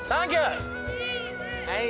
はい。